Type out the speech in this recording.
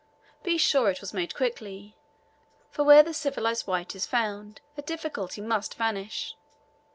Be sure it was made quickly, for where the civilized white is found, a difficulty must vanish.